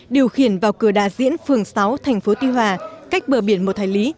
điều khiển vào cửa đà diễn phường sáu thành phố tuy hòa cách bờ biển một hải lý